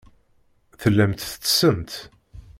Tellamt tettessemt.